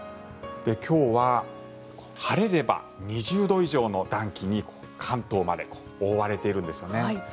今日は晴れれば２０度以上の暖気に関東まで覆われているんですよね。